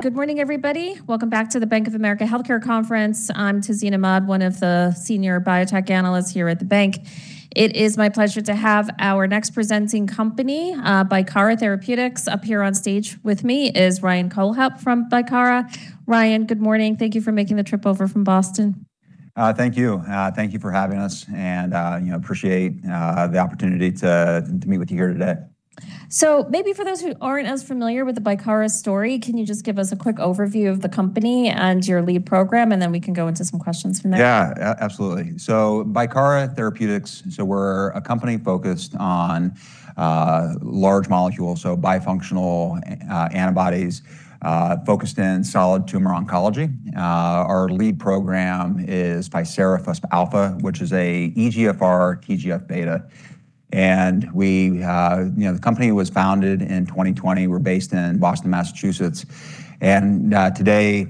Good morning, everybody. Welcome back to the Bank of America Healthcare Conference. I'm Tazeen Ahmad, one of the Senior Biotech Analysts here at the bank. It is my pleasure to have our next presenting company, Bicara Therapeutics. Up here on stage with me is Ryan Kohlhepp from Bicara. Ryan, good morning. Thank you for making the trip over from Boston. Thank you. Thank you for having us, and, you know, appreciate the opportunity to meet with you here today. Maybe for those who aren't as familiar with the Bicara story, can you just give us a quick overview of the company and your lead program, and then we can go into some questions from there? Yeah, absolutely. Bicara Therapeutics, we're a company focused on large molecules, bifunctional antibodies, focused in solid tumor oncology. Our lead program is ficerafusp alfa, which is a EGFR TGF-β. We, you know, the company was founded in 2020. We're based in Boston, Massachusetts, and today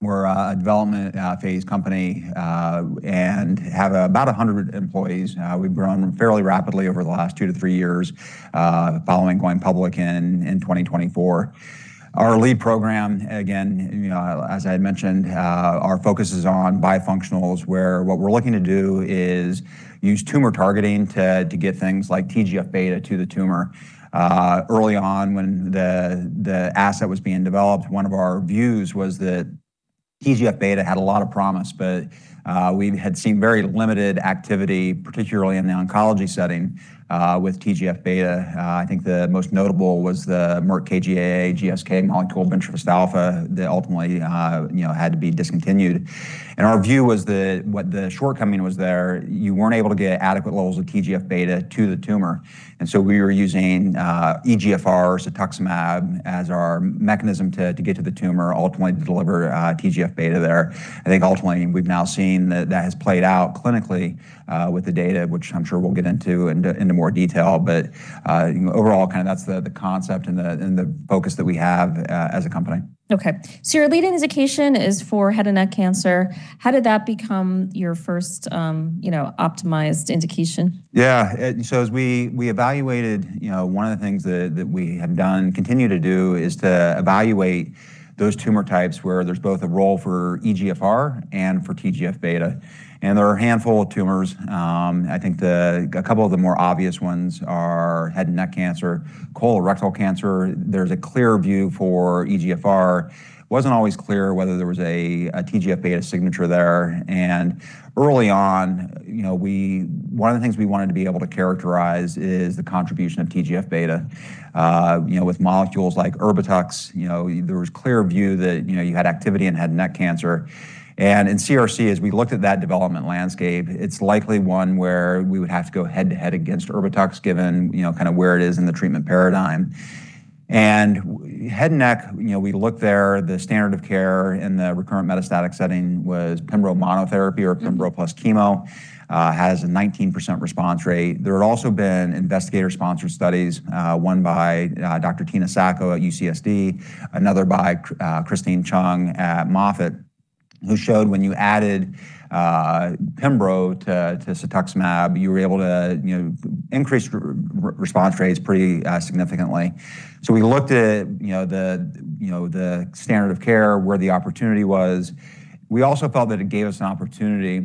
we're a development phase company, and have about 100 employees. We've grown fairly rapidly over the last 2-3 years, following going public in 2024. Our lead program, again, you know, as I had mentioned, our focus is on bifunctionals, where what we're looking to do is use tumor targeting to get things like TGF-β to the tumor. Early on, when the asset was being developed, one of our views was that TGF-β had a lot of promise, but we had seen very limited activity, particularly in the oncology setting, with TGF-β. I think the most notable was the Merck KGaA GSK molecule, bintrafusp alfa, that ultimately, you know, had to be discontinued. Our view was the what the shortcoming was there, you weren't able to get adequate levels of TGF-β to the tumor. We were using, EGFR cetuximab as our mechanism to get to the tumor, ultimately to deliver, TGF-β there. I think ultimately we've now seen that that has played out clinically, with the data, which I'm sure we'll get into in, into more detail. You know, overall, kinda that's the concept and the, and the focus that we have, as a company. Okay. Your leading indication is for head and neck cancer. How did that become your first, you know, optimized indication? Yeah. As we evaluated, you know, one of the things that we have done, continue to do is to evaluate those tumor types where there's both a role for EGFR and for TGF-β. There are a handful of tumors. I think a couple of the more obvious ones are head and neck cancer, colorectal cancer. There's a clear view for EGFR. Wasn't always clear whether there was a TGF-β signature there. Early on, you know, one of the things we wanted to be able to characterize is the contribution of TGF-β. You know, with molecules like ERBITUX, you know, there was clear view that, you know, you had activity in head and neck cancer. In CRC, as we looked at that development landscape, it's likely one where we would have to go head to head against ERBITUX given, you know, kinda where it is in the treatment paradigm. Head and neck, you know, we look there, the standard of care in the recurrent metastatic setting was pembro monotherapy or pembro plus chemo, has a 19% response rate. There had also been investigator-sponsored studies, one by Dr. Assuntina Sacco at UCSD, another by Christine Chung at Moffitt, who showed when you added pembro to cetuximab, you were able to, you know, increase response rates pretty significantly. We looked at, you know, the, you know, the standard of care, where the opportunity was. We also felt that it gave us an opportunity,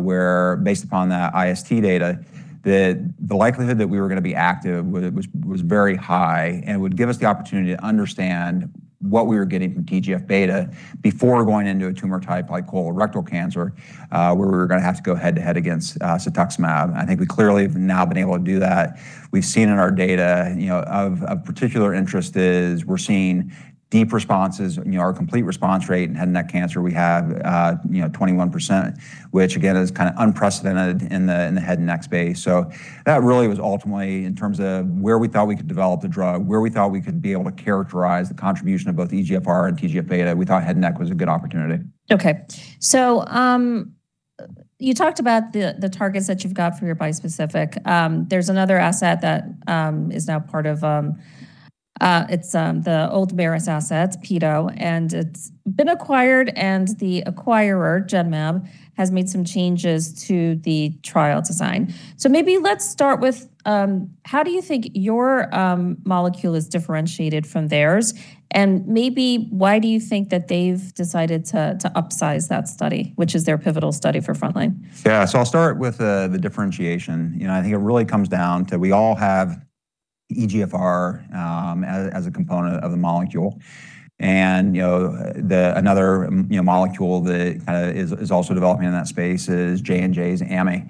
where based upon the IST data, that the likelihood that we were gonna be active was very high and would give us the opportunity to understand what we were getting from TGF-β before going into a tumor type like colorectal cancer, where we were gonna have to go head to head against cetuximab. I think we clearly have now been able to do that. We've seen in our data, you know, of a particular interest is we're seeing deep responses. You know, our complete response rate in head and neck cancer, we have, you know, 21%, which again, is kinda unprecedented in the head and neck space. That really was ultimately in terms of where we thought we could develop the drug, where we thought we could be able to characterize the contribution of both EGFR and TGF-β. We thought head and neck was a good opportunity. Okay. You talked about the targets that you've got for your bispecific. There's another asset that is now part of, it's the old Merus asset, peto, and it's been acquired, and the acquirer, Genmab, has made some changes to the trial design. Maybe let's start with, how do you think your molecule is differentiated from theirs? Maybe why do you think that they've decided to upsize that study, which is their pivotal study for frontline? Yeah. I'll start with the differentiation. You know, I think it really comes down to we all have EGFR as a component of the molecule. You know, another, you know, molecule that is also developing in that space is J&J's ami,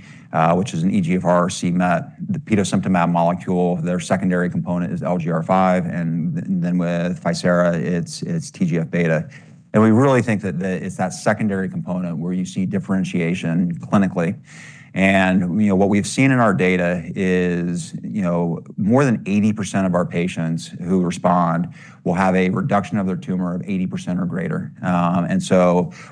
which is an EGFR / c-Met. The petosemtamab molecule, their secondary component is LGR5, and then with Ficera, it's TGF-β. We really think that it's that secondary component where you see differentiation clinically. You know, what we've seen in our data is, you know, more than 80% of our patients who respond will have a reduction of their tumor of 80% or greater.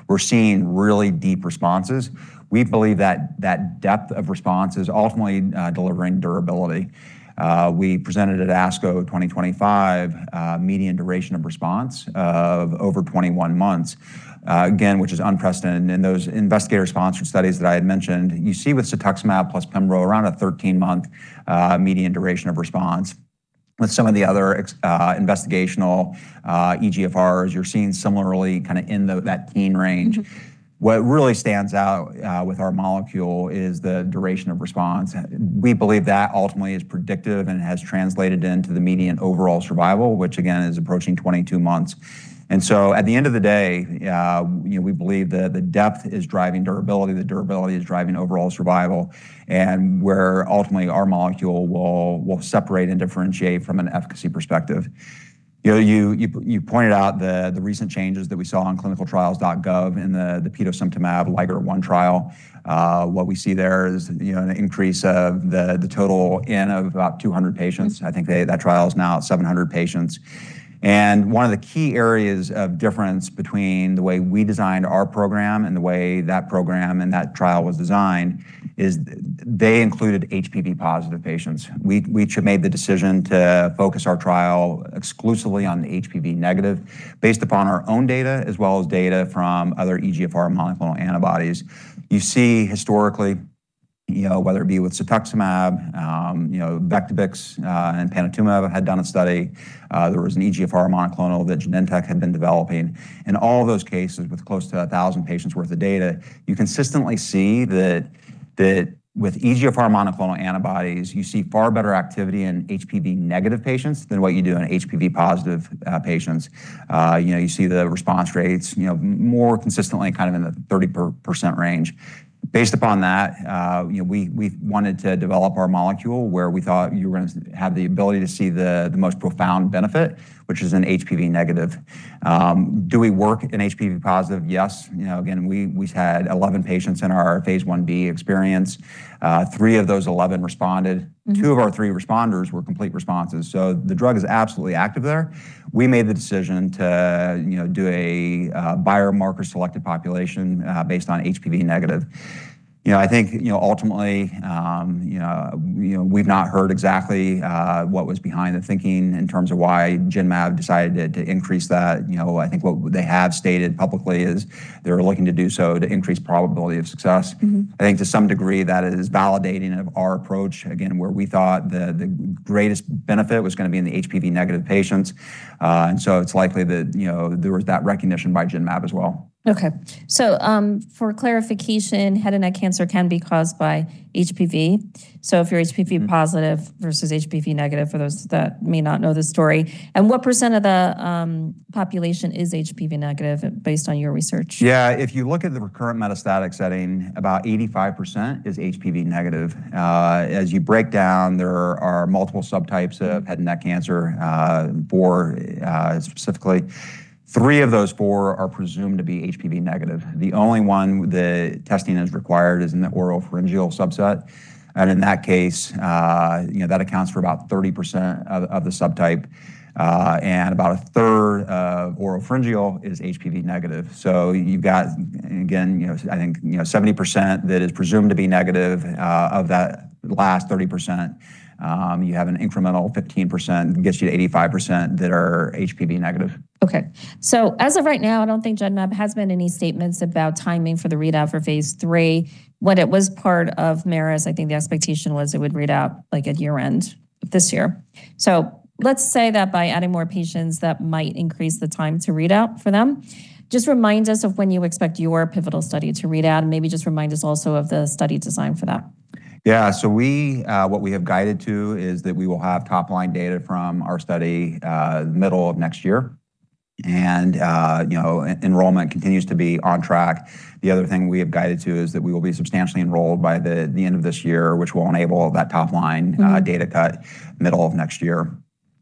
We're seeing really deep responses. We believe that that depth of response is ultimately delivering durability. We presented at ASCO 2025, median duration of response of over 21 months, again, which is unprecedented. In those investigator-sponsored studies that I had mentioned, you see with cetuximab plus pembro around a 13-month median duration of response. With some of the other investigational EGFRs, you're seeing similarly kinda in that teen range. What really stands out with our molecule is the duration of response. We believe that ultimately is predictive and has translated into the median overall survival, which again is approaching 22 months. At the end of the day, you know, we believe that the depth is driving durability, the durability is driving overall survival, and where ultimately our molecule will separate and differentiate from an efficacy perspective. You know, you, you pointed out the recent changes that we saw on ClinicalTrials.gov in the petosemtamab, LiGeR-1 trial. What we see there is, you know, an increase of the total N of about 200 patients. I think that trial is now at 700 patients. One of the key areas of difference between the way we designed our program and the way that program and that trial was designed is they included HPV-positive patients. We made the decision to focus our trial exclusively on HPV-negative based upon our own data as well as data from other EGFR monoclonal antibodies. You see historically, you know, whether it be with cetuximab, you know, Vectibix, and panitumumab had done a study, there was an EGFR monoclonal that Genentech had been developing. In all of those cases, with close to 1,000 patients worth of data, you consistently see that with EGFR monoclonal antibodies, you see far better activity in HPV-negative patients than what you do in HPV-positive patients. You know, you see the response rates, you know, more consistently kind of in the 30% range. Based upon that, you know, we wanted to develop our molecule where we thought you were gonna have the ability to see the most profound benefit, which is in HPV-negative. Do we work in HPV-positive? Yes. You know, again, we had 11 patients in our phase I-B experience. Three of those 11 responded. Two of our three responders were complete responses. The drug is absolutely active there. We made the decision to, you know, do a biomarker selected population based on HPV-negative. You know, I think, you know, ultimately, you know, we've not heard exactly what was behind the thinking in terms of why Genmab decided to increase that. You know, I think what they have stated publicly is they're looking to do so to increase probability of success. I think to some degree, that is validating of our approach, again, where we thought the greatest benefit was gonna be in the HPV-negative patients. It's likely that, you know, there was that recognition by Genmab as well. Okay. For clarification, head and neck cancer can be caused by HPV. If you're HPV-positive versus HPV-negative, for those that may not know this story. What percent of the population is HPV-negative based on your research? Yeah. If you look at the recurrent metastatic setting, about 85% is HPV-negative. As you break down, there are multiple subtypes of head and neck cancer, four specifically. Three of those four are presumed to be HPV-negative. The only one the testing is required is in the oropharyngeal subset. In that case, you know, that accounts for about 30% of the subtype, and about 1/3 of oropharyngeal is HPV-negative. You've got, again, you know, I think, you know, 70% that is presumed to be negative. Of that last 30%, you have an incremental 15%, gets you to 85% that are HPV-negative. Okay. As of right now, I don't think Genmab has made any statements about timing for the readout for phase III. When it was part of Merus, I think the expectation was it would read out like at year-end this year. Let's say that by adding more patients, that might increase the time to readout for them. Just remind us of when you expect your pivotal study to read out, and maybe just remind us also of the study design for that. Yeah. We, what we have guided to is that we will have top-line data from our study, middle of next year. You know, enrollment continues to be on track. The other thing we have guided to is that we will be substantially enrolled by the end of this year. data cut middle of next year.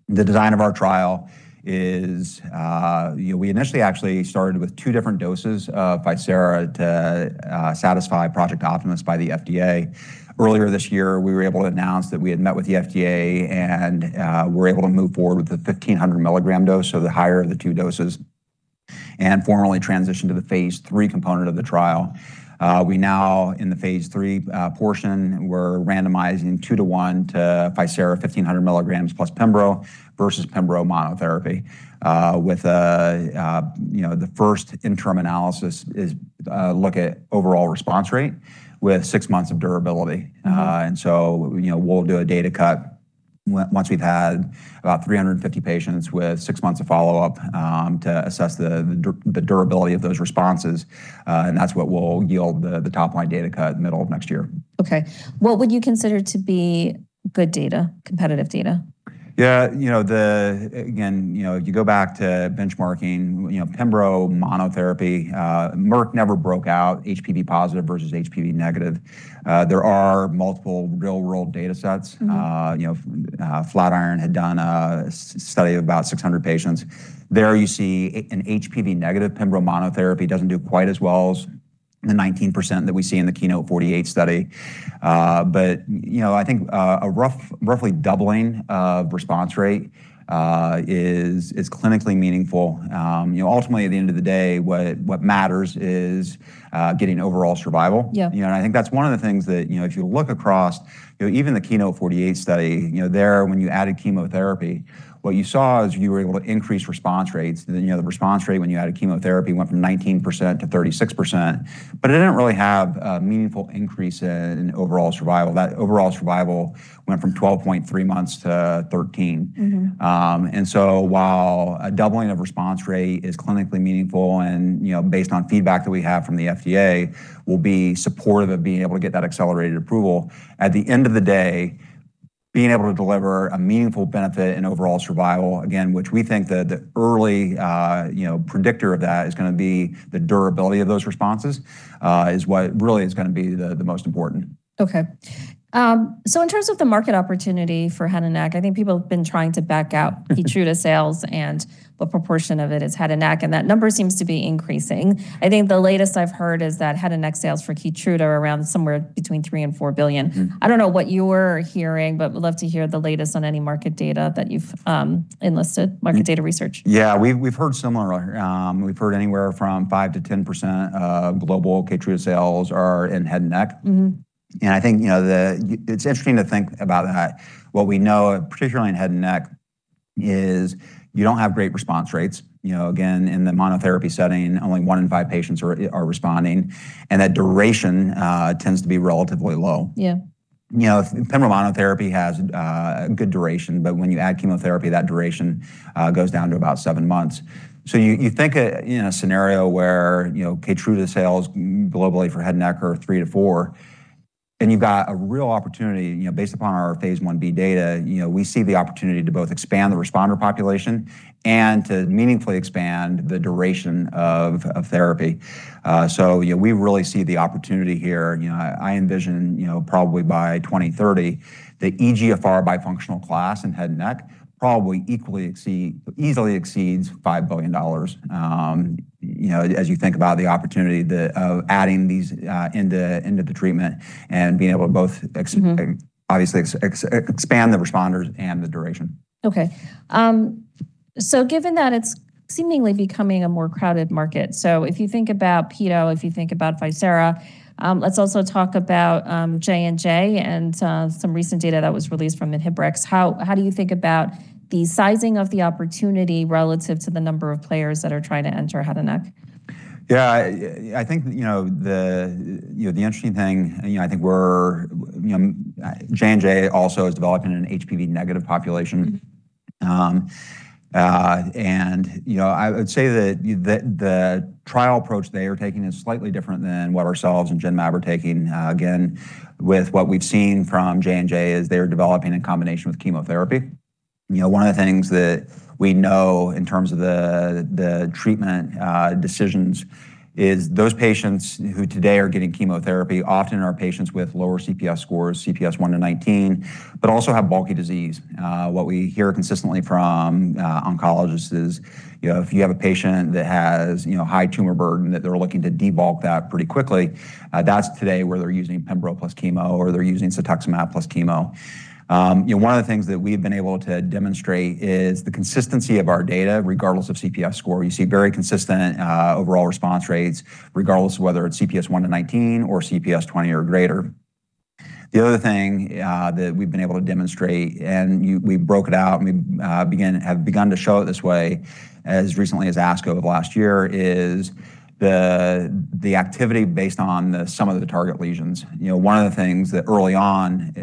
The design of our trial is, you know, we initially actually started with two different doses of Bicara to satisfy Project Optimus by the FDA. Earlier this year, we were able to announce that we had met with the FDA and were able to move forward with the 1,500 mg dose, so the higher of the two doses, and formally transition to the phase III component of the trial. We now, in the phase III portion, we're randomizing 2 to 1 to Bicara 1,500 mg plus pembro versus pembro monotherapy. With, you know, the first interim analysis is look at overall response rate with six months of durability. You know, we'll do a data cut once we've had about 350 patients with six months of follow-up to assess the durability of those responses. That's what will yield the top-line data cut middle of next year. Okay. What would you consider to be good data, competitive data? Yeah. You know, again, you know, you go back to benchmarking, you know, pembro monotherapy, Merck never broke out HPV-positive versus HPV-negative. There are multiple real world data sets. You know, Flatiron had done a study of about 600 patients. There you see an HPV-negative pembro monotherapy doesn't do quite as well as the 19% that we see in the KEYNOTE-048 study. You know, I think, a roughly doubling of response rate is clinically meaningful. You know, ultimately at the end of the day, what matters is getting overall survival. Yeah. You know, I think that's one of the things that, you know, if you look across, you know, even the KEYNOTE-048 study, you know, there when you added chemotherapy, what you saw is you were able to increase response rates, and then, you know, the response rate when you added chemotherapy went from 19%-36%. It didn't really have a meaningful increase in overall survival. That overall survival went from 12.3 months to 13 months. While a doubling of response rate is clinically meaningful and, you know, based on feedback that we have from the FDA, will be supportive of being able to get that accelerated approval. At the end of the day, being able to deliver a meaningful benefit in overall survival, again, which we think the early, you know, predictor of that is gonna be the durability of those responses, is what really is gonna be the most important. Okay. In terms of the market opportunity for head and neck, I think people have been trying to back out KEYTRUDA sales and what proportion of it is head and neck, and that number seems to be increasing. I think the latest I've heard is that head and neck sales for KEYTRUDA are around somewhere between $3 billion-$4 billion. I don't know what you're hearing, but would love to hear the latest on any market data that you've enlisted. market data research. Yeah. We've heard similar. We've heard anywhere from 5%-10% of global KEYTRUDA sales are in head and neck. I think, you know, it's interesting to think about that. What we know, particularly in head and neck, is you don't have great response rates. You know, again, in the monotherapy setting, only 1 in 5 patients are responding, and that duration tends to be relatively low. Yeah. You know, pembro monotherapy has a good duration, but when you add chemotherapy, that duration goes down to about seven months. You know, you think a, you know, a scenario where, you know, KEYTRUDA sales globally for head and neck are $3 billion-$4 billion, and you've got a real opportunity. You know, based upon our phase I-B data, you know, we see the opportunity to both expand the responder population and to meaningfully expand the duration of therapy. Yeah, we really see the opportunity here. You know, I envision, you know, probably by 2030, the EGFR bifunctional class in head and neck probably equally easily exceeds $5 billion, you know, as you think about the opportunity of adding these into the treatment and being able to both. Obviously expand the responders and the duration. Okay. Given that it's seemingly becoming a more crowded market, so if you think about peto, if you think about ficerafusp, let's also talk about J&J and some recent data that was released from ENHERTU. How, how do you think about the sizing of the opportunity relative to the number of players that are trying to enter head and neck? Yeah. I think, you know, the, you know, the interesting thing, and you know, I think we're J&J also is developing an HPV-negative population. You know, I would say that the trial approach they are taking is slightly different than what ourselves and Genmab are taking. Again, with what we've seen from J&J is they are developing in combination with chemotherapy. You know, one of the things that we know in terms of the treatment decisions is those patients who today are getting chemotherapy often are patients with lower CPS scores, CPS 1-19, but also have bulky disease. What we hear consistently from oncologists is, you know, if you have a patient that has, you know, high tumor burden, that they're looking to debulk that pretty quickly, that's today where they're using pembro plus chemo, or they're using cetuximab plus chemo. You know, one of the things that we've been able to demonstrate is the consistency of our data, regardless of CPS 20 score. You see very consistent overall response rates, regardless of whether it's CPS 1-19 or CPS 20 or greater. The other thing that we've been able to demonstrate, and we broke it out, and we have begun to show it this way as recently as ASCO of last year is the activity based on the sum of the target lesions. You know, one of the things that early on,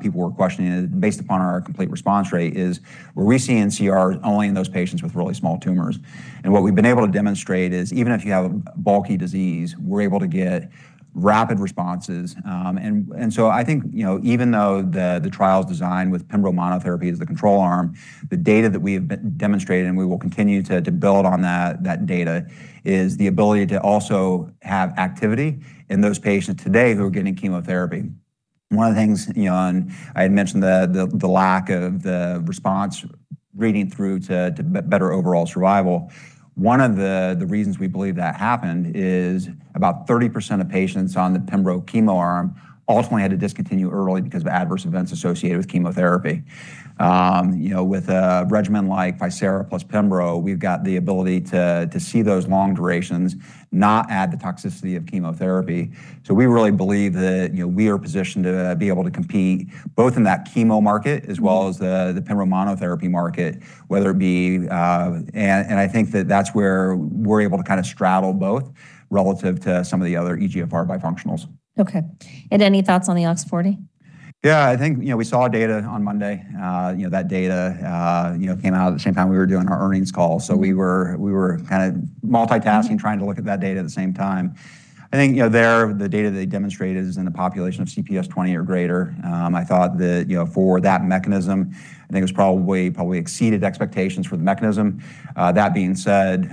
people were questioning based upon our complete response rate is were we seeing CR only in those patients with really small tumors? What we've been able to demonstrate is even if you have bulky disease, we're able to get rapid responses, so I think, you know, even though the trial's designed with pembro monotherapy as the control arm, the data that we have demonstrated, and we will continue to build on that data, is the ability to also have activity in those patients today who are getting chemotherapy. One of the things, you know, I had mentioned the lack of the response reading through to better overall survival. One of the reasons we believe that happened is about 30% of patients on the pembro chemo arm ultimately had to discontinue early because of adverse events associated with chemotherapy. you know, with a regimen like ficerafusp alfa plus pembro, we've got the ability to see those long durations, not add the toxicity of chemotherapy. We really believe that, you know, we are positioned to be able to compete both in that chemo market. As well as the pembro monotherapy market, whether it be And I think that that's where we're able to kind of straddle both relative to some of the other EGFR bifunctionals. Okay. Any thoughts on the OX40? Yeah, I think, you know, we saw data on Monday. You know, that data, you know, came out at the same time we were doing our earnings call. We were kind of multitasking. trying to look at that data at the same time. I think, you know, the data they demonstrated is in the population of CPS 20 or greater. I thought that, you know, for that mechanism, I think it probably exceeded expectations for the mechanism. That being said,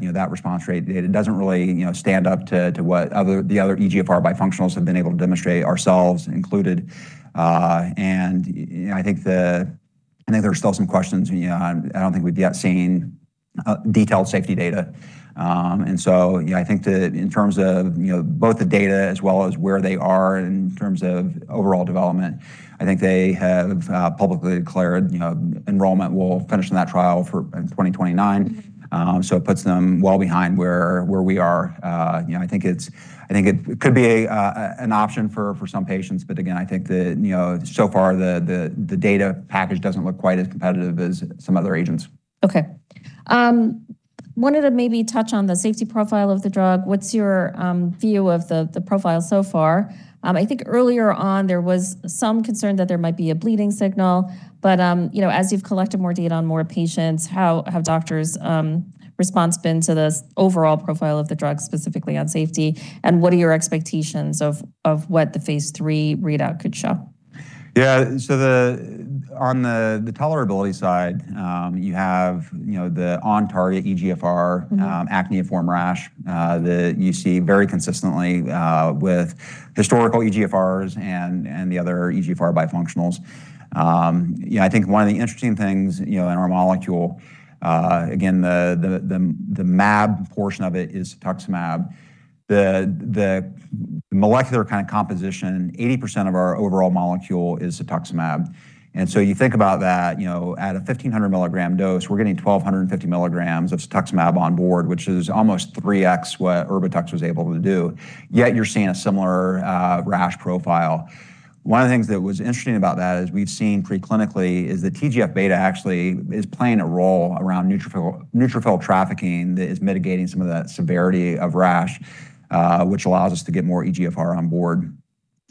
you know, that response rate, it doesn't really, you know, stand up to what other, the other EGFR bifunctionals have been able to demonstrate, ourselves included. You know, I think there's still some questions, you know. I don't think we've yet seen detailed safety data. You know, I think the, in terms of, you know, both the data as well as where they are in terms of overall development, I think they have publicly declared, you know, enrollment will finish in that trial for, in 2029. It puts them well behind where we are. You know, I think it could be an option for some patients. Again, I think that, you know, so far the data package doesn't look quite as competitive as some other agents. Okay. Wanted to maybe touch on the safety profile of the drug. What's your view of the profile so far? I think earlier on, there was some concern that there might be a bleeding signal, but, you know, as you've collected more data on more patients, how have doctors' response been to the overall profile of the drug, specifically on safety? What are your expectations of what the phase III readout could show? Yeah. On the tolerability side, you have, you know, the on-target EGFR. acneiform rash that you see very consistently with historical EGFRs and the other EGFR bifunctionals. I think one of the interesting things, you know, in our molecule, the mAb portion of it is cetuximab. The molecular kind of composition, 80% of our overall molecule is cetuximab. You think about that, you know, at a 1,500 mg dose, we're getting 1,250 mg of cetuximab on board, which is almost 3X what ERBITUX was able to do, yet you're seeing a similar rash profile. One of the things that was interesting about that is we've seen preclinically is that TGF-β actually is playing a role around neutrophil trafficking that is mitigating some of that severity of rash, which allows us to get more EGFR on board.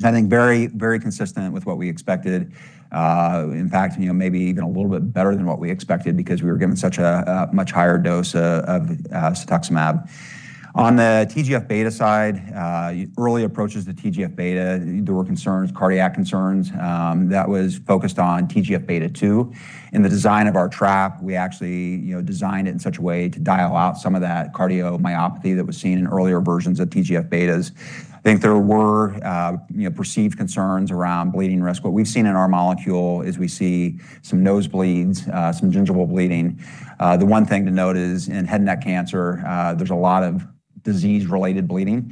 I think very, very consistent with what we expected. In fact, you know, maybe even a little bit better than what we expected because we were given such a much higher dose of cetuximab. On the TGF-β side, early approaches to TGF-β, there were concerns, cardiac concerns, that was focused on TGF-β 2. In the design of our trap, we actually, you know, designed it in such a way to dial out some of that cardiomyopathy that was seen in earlier versions of TGF-βs. I think there were, you know, perceived concerns around bleeding risk. What we've seen in our molecule is we see some nosebleeds, some gingival bleeding. The one thing to note is in head and neck cancer, there's a lot of disease-related bleeding.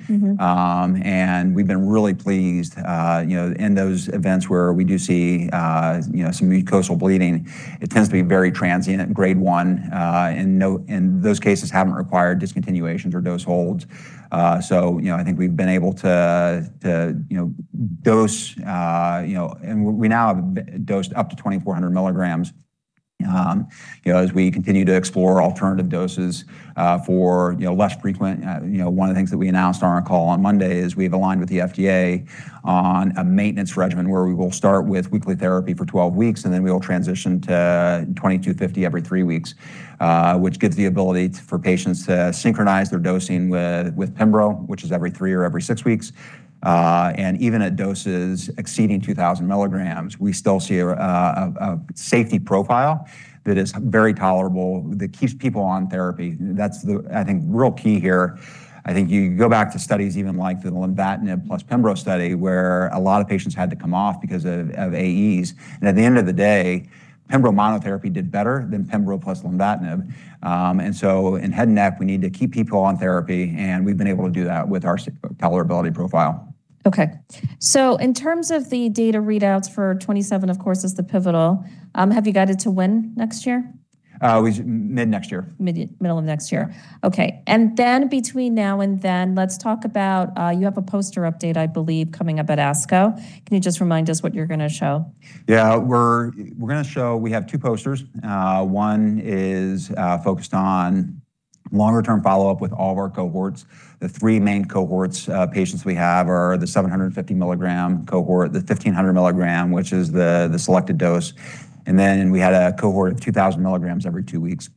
We've been really pleased, in those events where we do see some mucosal bleeding, it tends to be very transient at Grade 1, and those cases haven't required discontinuations or dose holds. I think we've been able to dose, and we now have dosed up to 2,400 mg, as we continue to explore alternative doses for less frequent. You know, one of the things that we announced on our call on Monday is we've aligned with the FDA on a maintenance regimen where we will start with weekly therapy for 12 weeks, and then we will transition to 2,250 every three weeks, which gives the ability for patients to synchronize their dosing with pembro, which is every three or every 6 weeks. Even at doses exceeding 2,000 mg, we still see a safety profile that is very tolerable, that keeps people on therapy. That's the, I think, real key here. I think you go back to studies even like the lenvatinib plus pembro study, where a lot of patients had to come off because of AEs. At the end of the day, pembro monotherapy did better than pembro plus lenvatinib. In head and neck, we need to keep people on therapy, and we've been able to do that with our tolerability profile. Okay. In terms of the data readouts for 2027, of course, is the pivotal, have you guided to when next year? mid next year. Middle of next year. Okay. Between now and then, let's talk about, you have a poster update, I believe, coming up at ASCO. Can you just remind us what you're gonna show? Yeah. We're gonna show. We have 2 posters. One is focused on longer-term follow-up with all of our cohorts. The three main cohorts patients we have are the 750 mg cohort, the 1,500 mg, which is the selected dose, and then we had a cohort of 2,000 mg every two weeks.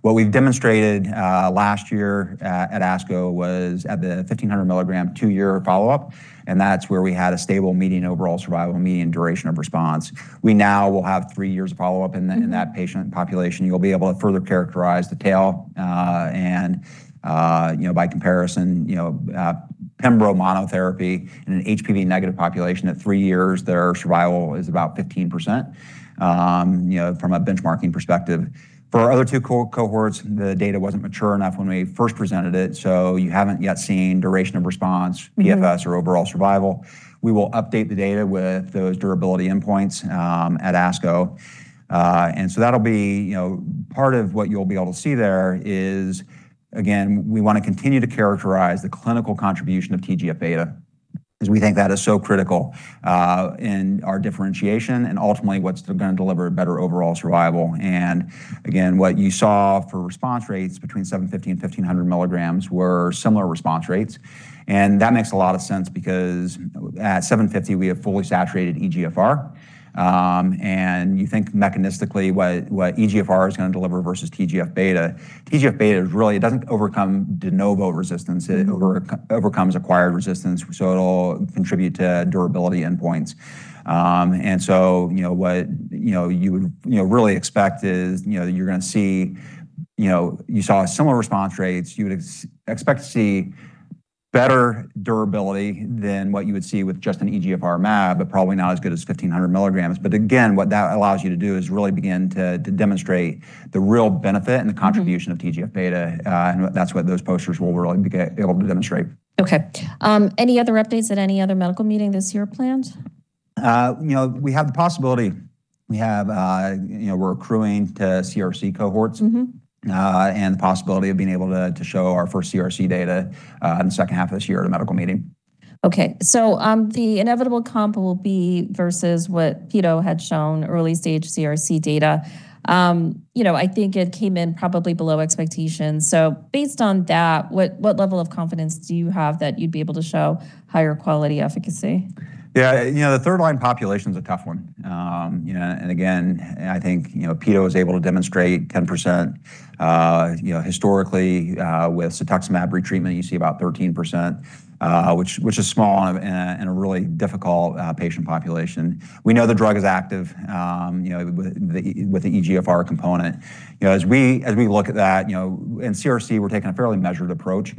What we've demonstrated last year at ASCO was at the 1,500 mg two-year follow-up, and that's where we had a stable median overall survival, median duration of response. We now will have three years of follow-up in that patient population. You'll be able to further characterize the tail, and, you know, by comparison, you know, pembro monotherapy in an HPV-negative population at three years, their survival is about 15%, you know, from a benchmarking perspective. For our other two cohorts, the data wasn't mature enough when we first presented it, so you haven't yet seen duration of response. PFS or overall survival. We will update the data with those durability endpoints, at ASCO. That'll be, you know, part of what you'll be able to see there is, again, we wanna continue to characterize the clinical contribution of TGF-β, because we think that is so critical, in our differentiation and ultimately what's gonna deliver better overall survival. Again, what you saw for response rates between 750 mg and 1,500 mg were similar response rates, and that makes a lot of sense because at 750 mg, we have fully saturated EGFR, and you think mechanistically what EGFR is gonna deliver versus TGF-β. TGF-β is really, it doesn't overcome de novo resistance. It overcomes acquired resistance, it'll contribute to durability endpoints. You know, what, you know, you would, you know, really expect is, you know, that you're gonna see, you know, you saw similar response rates. You would expect to see better durability than what you would see with just an EGFR mAb, probably not as good as 1,500 mg. Again, what that allows you to do is really begin to demonstrate the real benefit and the contribution of TGF-β, that's what those posters will really be able to demonstrate. Okay. Any other updates at any other medical meeting this year planned? You know, we have the possibility. We have, you know, we're accruing to CRC cohorts. The possibility of being able to show our first CRC data in the second half of this year at a medical meeting. Okay. The inevitable comp will be versus what peto had shown early-stage CRC data. You know, I think it came in probably below expectations. Based on that, what level of confidence do you have that you'd be able to show higher quality efficacy? Yeah. You know, the third-line population's a tough one. You know, again, I think, you know, peto is able to demonstrate 10%. You know, historically, with cetuximab retreatment, you see about 13%, which is small and a really difficult patient population. We know the drug is active, you know, with the EGFR component. You know, as we look at that, you know, in CRC, we're taking a fairly measured approach.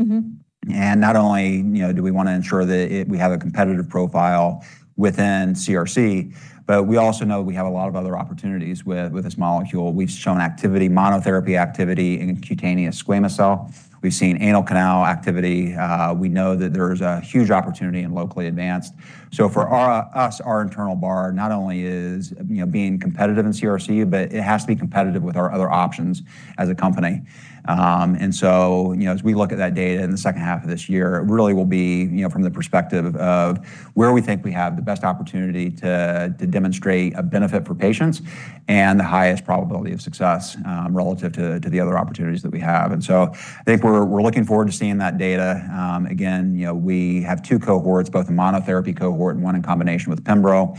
Not only, you know, do we want to ensure that we have a competitive profile within CRC, but we also know we have a lot of other opportunities with this molecule. We've shown activity, monotherapy activity in cutaneous squamous cell. We've seen anal canal activity. We know that there's a huge opportunity in locally advanced. For our internal bar not only is, you know, being competitive in CRC, but it has to be competitive with our other options as a company. You know, as we look at that data in the second half of this year, it really will be, you know, from the perspective of where we think we have the best opportunity to demonstrate a benefit for patients and the highest probability of success relative to the other opportunities that we have. I think we're looking forward to seeing that data. Again, you know, we have two cohorts, both a monotherapy cohort and one in combination with pembro.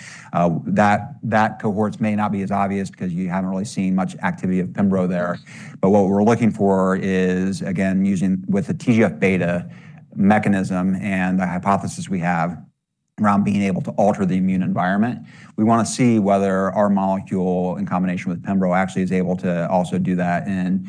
That cohorts may not be as obvious 'cause you haven't really seen much activity of pembro there. What we're looking for is, again, using with the TGF-β mechanism and the hypothesis we have around being able to alter the immune environment. We wanna see whether our molecule in combination with pembro actually is able to also do that in,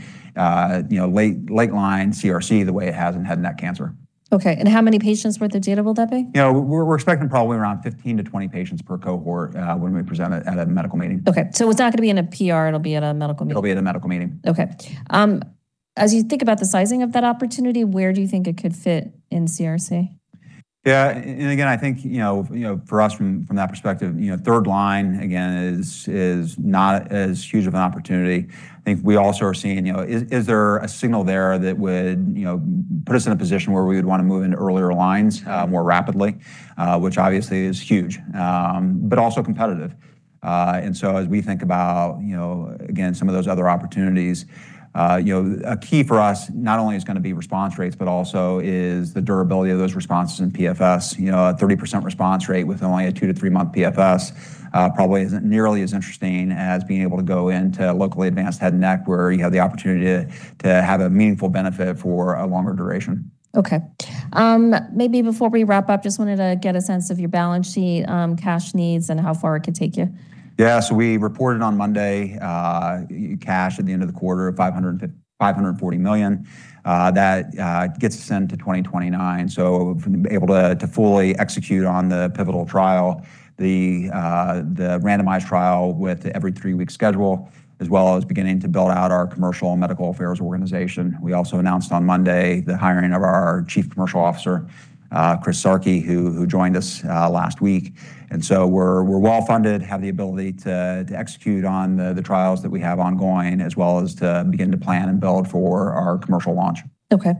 you know, late-line CRC the way it has in head and neck cancer. Okay. How many patients worth of data will that be? You know, we're expecting probably around 15-20 patients per cohort when we present it at a medical meeting. Okay. It's not gonna be in a PR, it'll be at a medical meeting. It'll be at a medical meeting. Okay. As you think about the sizing of that opportunity, where do you think it could fit in CRC? Yeah. Again, I think, you know, for us from that perspective, you know, third line again is not as huge of an opportunity. I think we also are seeing, you know, is there a signal there that would, you know, put us in a position where we would wanna move into earlier lines more rapidly? Which obviously is huge, but also competitive. As we think about, you know, again, some of those other opportunities, you know, a key for us not only is gonna be response rates, but also is the durability of those responses in PFS. You know, a 30% response rate with only a 2-3 month PFS, probably isn't nearly as interesting as being able to go into locally advanced head and neck where you have the opportunity to have a meaningful benefit for a longer duration. Okay. Maybe before we wrap up, just wanted to get a sense of your balance sheet, cash needs, and how far it could take you. Yeah. We reported on Monday cash at the end of the quarter of $540 million that gets extended to 2029. For me to be able to fully execute on the pivotal trial, the randomized trial with every three-week schedule, as well as beginning to build out our commercial and medical affairs organization. We also announced on Monday the hiring of our Chief Commercial Officer, Chris Sarchi, who joined us last week. We're well-funded, have the ability to execute on the trials that we have ongoing, as well as to begin to plan and build for our commercial launch. Okay.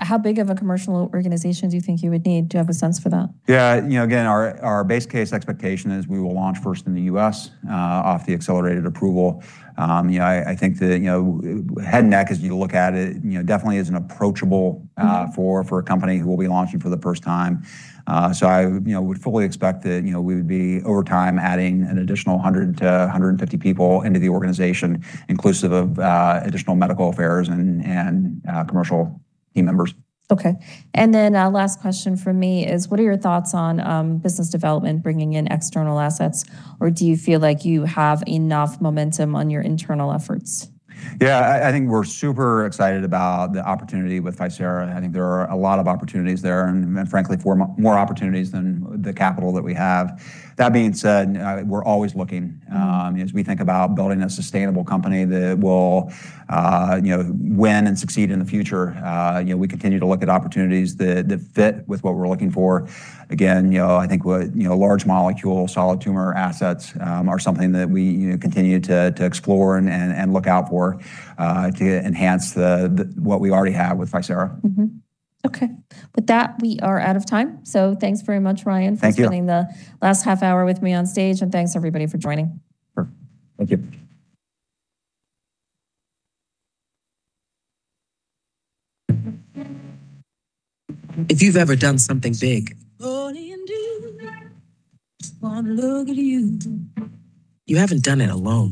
How big of a commercial organization do you think you would need? Do you have a sense for that? Yeah. You know, again, our base case expectation is we will launch first in the U.S. off the accelerated approval. You know, I think that, you know, head and neck, as you look at it, you know, definitely is an approachable for a company who will be launching for the first time. I, you know, would fully expect that, you know, we would be over time adding an additional 100-150 people into the organization, inclusive of additional medical affairs and commercial team members. Okay. Last question from me is what are your thoughts on business development bringing in external assets, or do you feel like you have enough momentum on your internal efforts? Yeah. I think we're super excited about the opportunity with ficerafusp. I think there are a lot of opportunities there and, frankly, more opportunities than the capital that we have. That being said, we're always looking. As we think about building a sustainable company that will, you know, win and succeed in the future, you know, we continue to look at opportunities that fit with what we're looking for. Again, you know, I think what, you know, large molecule solid tumor assets are something that we, you know, continue to explore and look out for, to enhance the what we already have with ficerafusp. Okay. With that, we are out of time. Thanks very much, Ryan. Thank you. for spending the last half hour with me on stage, and thanks everybody for joining. Sure. Thank you.